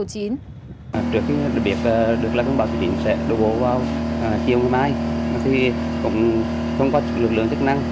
trước khi được biết là cơn bão số chín sẽ đổ bộ vào chiều mai thì cũng không có lực lượng tức năng